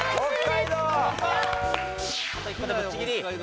あと１個でぶっちぎり。